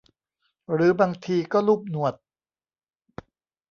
หรือบางทีก็ลูบหนวด